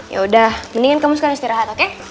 yaudah mendingan kamu sekalian istirahat oke